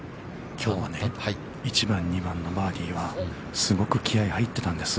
◆きょうは１番、２番のバーディーは、すごく気合いが入ってたんです。